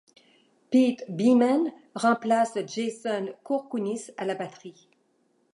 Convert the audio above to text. Pete Beeman remplace Jason Kourkounis à la batterie.